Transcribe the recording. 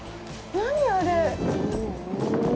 何あれ？